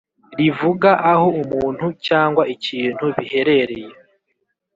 rivuga aho umuntu cyangwa ikintu biherereye